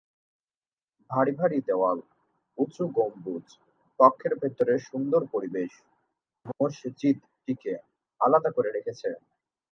ভারী ভারী দেয়াল, উঁচু গম্বুজ, কক্ষের ভেতরের সুন্দর পরিবেশ মসজিদটিকে আলাদা করে রেখেছে।